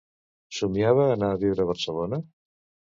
Somiava anar a viure a Barcelona?